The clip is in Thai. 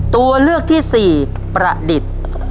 ตัวเลือกที่สี่ประดิษฐ์